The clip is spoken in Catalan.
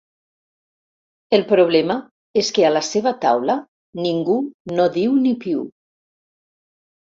El problema és que a la seva taula ningú no diu ni piu.